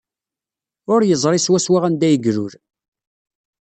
Ur yeẓri swaswa anda ay ilul.